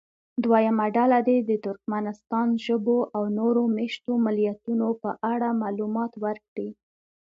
دویمه ډله دې د ترکمنستان ژبو او نورو مېشتو ملیتونو په اړه معلومات ورکړي.